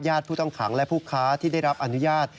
ผู้ต้องขังและผู้ค้าที่ได้รับอนุญาต